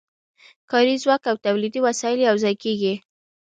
کاري ځواک او تولیدي وسایل یوځای کېږي